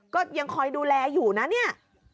ก็ยังคอยดูแลอยู่นะเนี่ย